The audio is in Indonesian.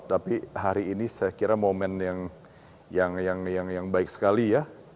tapi hari ini saya kira momen yang baik sekali ya